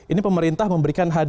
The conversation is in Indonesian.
ini pemerintah memberikan hadiah